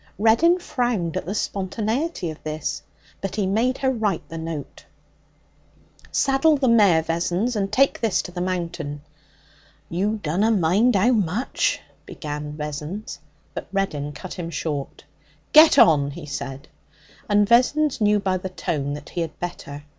Reddin frowned at the spontaneity of this. But he made her write the note. 'Saddle the mare, Vessons, and take this to the Mountain.' 'You dunna mind how much ' began Vessons. But Reddin cut him short. 'Get on,' he said, and Vessons knew by the tone that he had better.